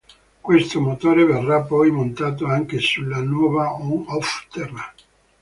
Questo motore verrà poi montato anche sulla nuova on-off Terra.